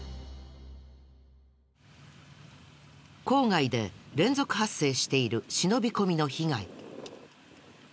郊外で連続発生している忍び込みの被害。